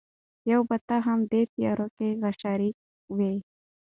یو به ته هم دې تیارو کي را شریک وای